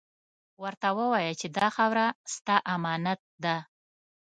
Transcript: ورته ووایه چې دا خاوره ، ستا امانت ده.